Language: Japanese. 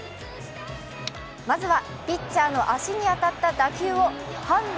まずは、ピッチャーの足に当たった打球を判断